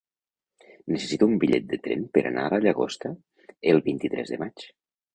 Necessito un bitllet de tren per anar a la Llagosta el vint-i-tres de maig.